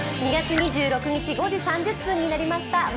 ２月２６日５時３０分になりました。